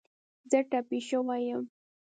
زه ټپې شوی یم